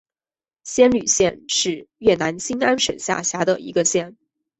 仙侣县是越南兴安省下辖的一个县。